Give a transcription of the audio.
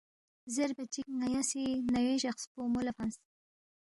زیربا چِک ن٘یا سی ن٘یوے جقسپو مو لہ فنگس